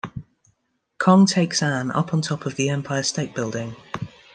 Kong takes Ann up on top of the Empire State Building.